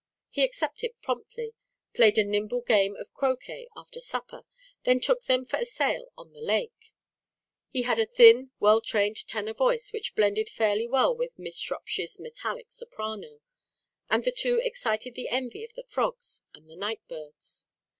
He accepted promptly, played a nimble game of croquet after supper, then took them for a sail on the lake. He had a thin well trained tenor voice which blended fairly well with Miss Shropshire's metallic soprano; and the two excited the envy of the frogs and the night birds.